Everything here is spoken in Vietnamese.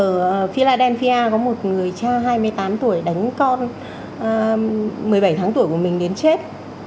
ở philadelphia có một người cha hai mươi tám tuổi đánh con một mươi bảy tháng tuổi của mình đến chết